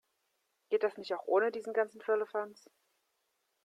Geht das nicht auch ohne diesen ganzen Firlefanz?